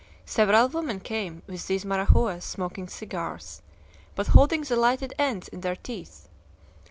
Several women came with these Marahuas, smoking cigars, but holding the lighted ends in their teeth.